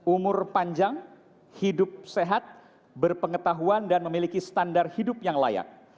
umur panjang hidup sehat berpengetahuan dan memiliki standar hidup yang layak